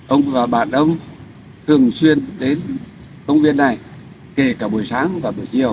ông và bạn đông thường xuyên đến công viên này kể cả buổi sáng và buổi chiều